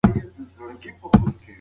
ده د کار پر بنسټ ستاينه کوله.